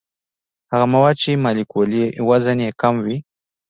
هغه مواد چې مالیکولي وزن یې کم وي.